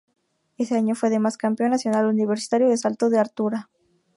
Ese año fue además campeón nacional universitario de salto de altura.